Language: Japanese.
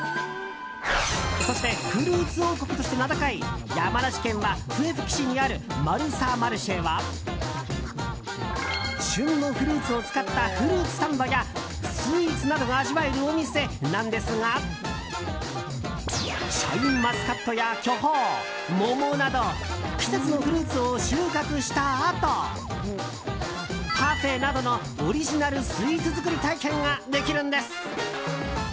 そしてフルーツ王国として名高い山梨県は笛吹市にあるマルサマルシェは旬のフルーツを使ったフルーツサンドやスイーツなどが味わえるお店なんですがシャインマスカットや巨峰桃など季節のフルーツを収穫したあとパフェなどのオリジナルスイーツ作り体験ができるんです。